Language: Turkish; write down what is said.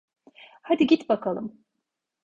Hadi git bakalım.